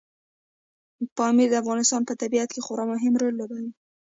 پامیر د افغانستان په طبیعت کې خورا مهم رول لوبوي.